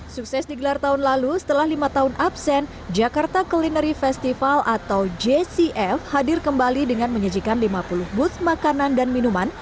sukses digelar tahun lalu setelah lima tahun absen jakarta culinary festival atau jcf hadir kembali dengan menyajikan lima puluh booth makanan dan minuman